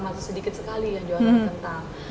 masih sedikit sekali yang jual donut kentang